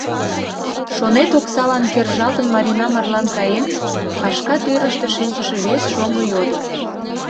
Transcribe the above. — Шонет, оксалан кержалтын, Марина марлан каен? — кашка тӱрыштӧ шинчыше вес шоҥго йодо.